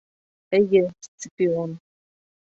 Эйе, Сципион.